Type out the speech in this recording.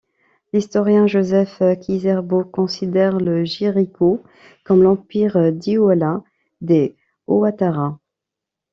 L'historien Joseph Ki-Zerbo considère le Gwiriko comme l'Empire dioula des Ouattara.